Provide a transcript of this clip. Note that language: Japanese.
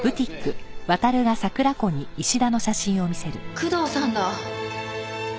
工藤さんだ。